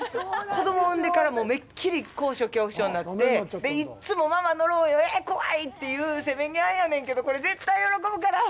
子供産んでからめっきり高所恐怖症になっていっつもママ乗ろうよえ、怖いっていうせめぎ合いやねんけどこれ絶対喜ぶから！